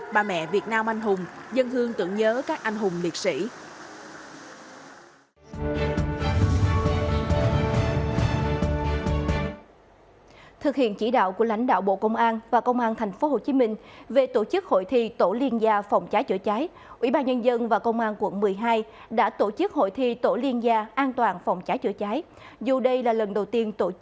ba mẹ việt nam anh hùng dân hương tưởng nhớ các anh hùng liệt sĩ